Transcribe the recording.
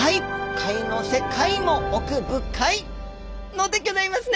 貝の世「界」も奥ぶ「かい」のでギョざいますね！